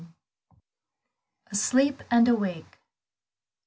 ASLEEP AND AWAKE.